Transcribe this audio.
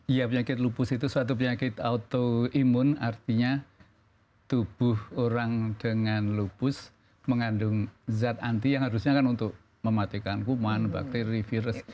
ya penyakit lupus itu suatu penyakit autoimun artinya tubuh orang dengan lupus mengandung zat anti yang harusnya kan untuk mematikan kuman bakteri virus